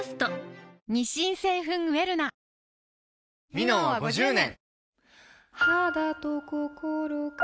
「ミノン」は５０年！